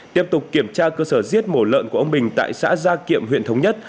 tiếp tục kiểm tra cơ sở giết mổ lợn của ông bình tại xã gia kiệm huyện thống nhất